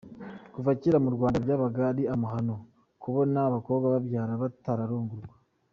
Kuva kera mu Rwanda byabaga ari amahano kubona abakobwa babyara batararongorwa.